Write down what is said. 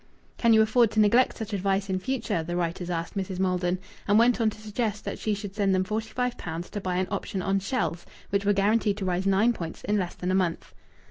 "Can you afford to neglect such advice in future?" the writers asked Mrs. Maldon, and went on to suggest that she should send them forty five pounds to buy an option on "Shells," which were guaranteed to rise nine points in less than a month.